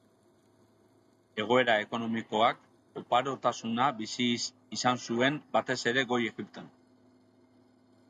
Egoera ekonomikoak oparotasuna bizi izan zuen, batez ere Goi Egipton.